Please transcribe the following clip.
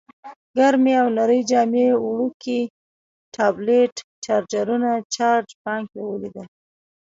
ګرمې او نرۍ جامې، وړوکی ټابلیټ، چارجرونه، چارج بانک مې ولیدل.